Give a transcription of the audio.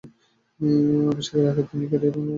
অভিষেকের আগে তার ক্যারিয়ার নিয়ে নানা উপাখ্যান রয়েছে।